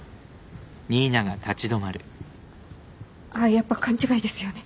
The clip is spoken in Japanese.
やっぱ勘違いですよね。